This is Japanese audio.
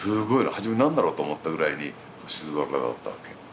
初め何だろうと思ったぐらいに星空だったわけ。